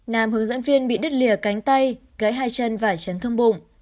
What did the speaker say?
nam hướng dẫn viên bị đứt lìa cánh tay gãy hai chân vải chấn thương bụng